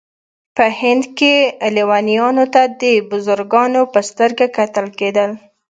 په هند کې لیونیانو ته د بزرګانو په سترګه کتل کېدل.